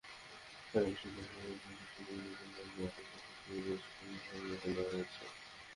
সার্কভুক্ত দেশগুলোর ইংরেজি নামের আদ্যক্ষরের ভিত্তিতে দেশগুলোর স্থান বেছে নেওয়া হচ্ছে।